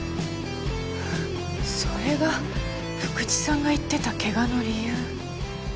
それが福知さんが言ってた怪我の理由。